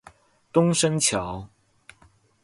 東昇橋